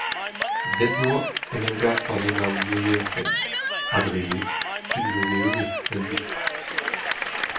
Bep bloaz en em gav pallennoù nevez ouzhpenn ha, dre-se, tud nevez ivez, evel-just.